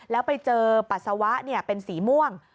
แล้วไปเจอปัสสาวะเป็นสีม่วง